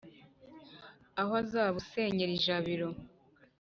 Aho azabusenyera ijabiro.